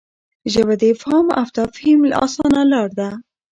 ژبه د افهام او تفهیم اسانه لار ده.